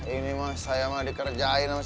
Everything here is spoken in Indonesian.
ini mah saya mah dikerjain